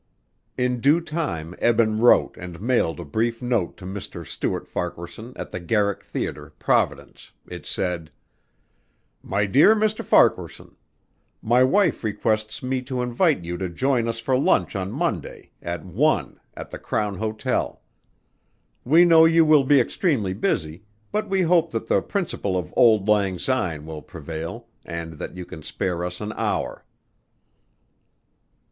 In due time Eben wrote and mailed a brief note to Mr. Stuart Farquaharson at the Garrick Theater, Providence. It said: "My Dear Mr. Farquaharson: My wife requests me to invite you to join us for lunch on Monday at one at the Crown Hotel. We know you will be extremely busy, but we hope that the principle of Auld Lang Syne will prevail and that you can spare us an hour."